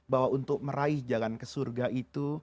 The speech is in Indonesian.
bahwa untuk meraih jalan ke surga itu